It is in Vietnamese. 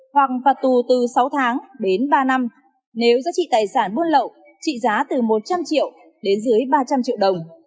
hoặc phạt tù từ sáu tháng đến ba năm nếu giá trị tài sản buôn lậu trị giá từ một trăm linh triệu đến dưới ba trăm linh triệu đồng